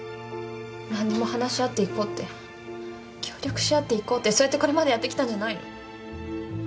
何でも話し合っていこうって協力し合っていこうってそうやってこれまでやってきたんじゃないの？